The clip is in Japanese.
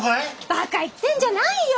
ばか言ってんじゃないよ！